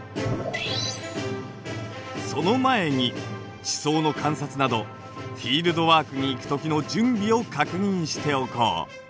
その前に地層の観察などフィールドワークに行く時の準備を確認しておこう。